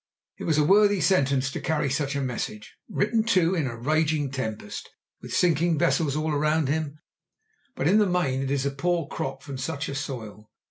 It was a worthy sentence to carry such a message, written too in a raging tempest, with sinking vessels all around him. But in the main it is a poor crop from such a soil.